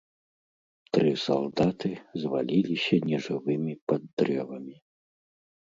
Тры салдаты зваліліся нежывымі пад дрэвамі.